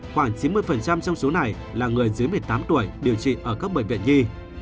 khoảng chín mươi trong số này là người dưới một mươi tám tuổi điều trị ở các bệnh viện nhi